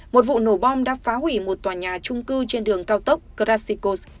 một vụ nổ bom đã phá hủy một tòa nhà trung cư trên đường cao tốc krasicos